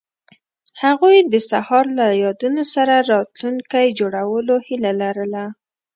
هغوی د سهار له یادونو سره راتلونکی جوړولو هیله لرله.